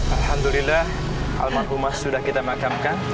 alhamdulillah almarhumah sudah kita makamkan